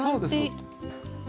そうです。